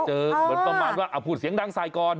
เหมือนประมาณว่าพูดเสียงดังใส่ก่อน